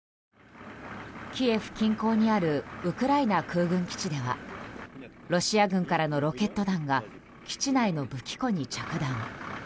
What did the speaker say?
キエフ近郊にあるウクライナ空軍基地ではロシア軍からのロケット弾が基地内の武器庫に着弾。